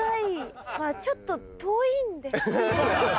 ちょっと遠いんで。